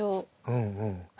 うんうん。